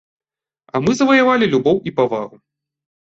А мы заваявалі любоў і павагу.